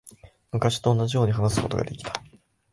昔と同じように話すことができた。